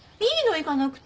行かなくて。